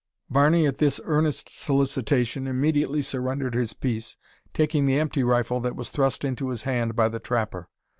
Barney, at this earnest solicitation, immediately surrendered his piece, taking the empty rifle that was thrust into his hand by the trapper.